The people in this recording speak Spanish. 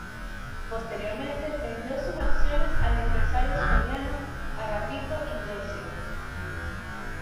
Posteriormente vendió sus acciones al empresario soriano Agapito Iglesias.